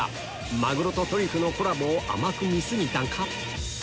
マグロとトリュフのコラボを甘く見過ぎたか？